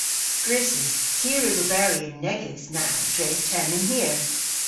Gwrussys. Ty a wrug oberi yn negys na dres termyn hir.